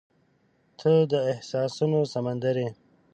• ته د احساسونو سمندر یې.